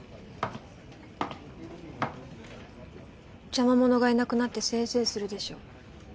邪魔者がいなくなってせいせいするでしょ。